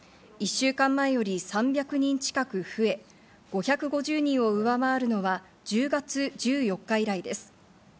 １週間前より３００人近く増え、５５０人を上回るのは１０月１４日以来です。